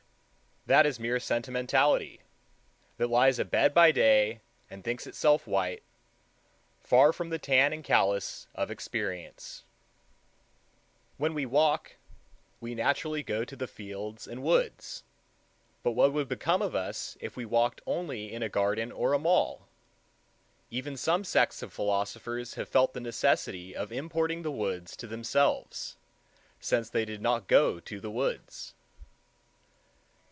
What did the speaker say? That is mere sentimentality that lies abed by day and thinks itself white, far from the tan and callus of experience. When we walk, we naturally go to the fields and woods: what would become of us, if we walked only in a garden or a mall? Even some sects of philosophers have felt the necessity of importing the woods to themselves, since they did not go to the woods.